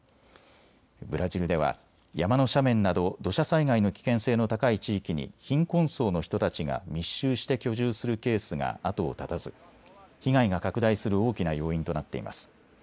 ブラジルでは山の斜面など土砂災害の危険性の高い地域に貧困層の人たちが密集して居住するケースが後を絶たず被害が拡大する大きな要因となっています。